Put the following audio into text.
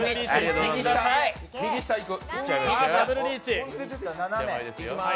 右下いく。